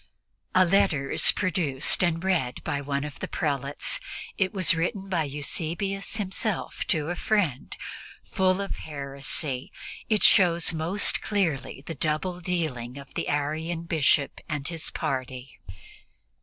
A letter is produced and read by one of the prelates; it was written by Eusebius himself to a friend. Full of heresy, it shows most clearly the double dealing of the Arian Bishop and his party.